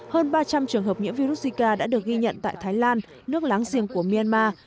hơn ba trăm linh trường hợp nhiễm virus zika đã được ghi nhận tại thái lan nước láng giềng của myanmar